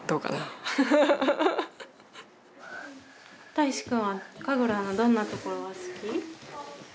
たいしくんは神楽のどんなところが好き？